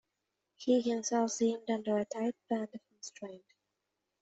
He himself seemed under a tight band of constraint.